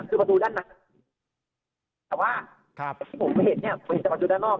คือประตูด้านหน้าแต่ว่าครับที่ผมเห็นเนี่ยเห็นจากประตูด้านนอก